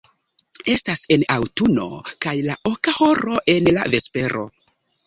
Estas en aŭtuno kaj la oka horo en la vespero.